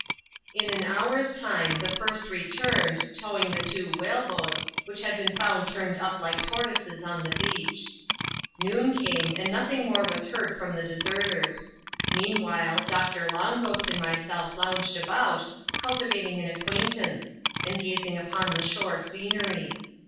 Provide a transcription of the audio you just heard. In an hour's time the first returned, towing the two whale boats, which had been found turned up like tortoises on the beach. Noon came, and nothing more was heard from the deserters. Meanwhile Doctor Long Ghopt and myself lounged about, cul tivating an acquaintance, and gazing upon the shore scenery.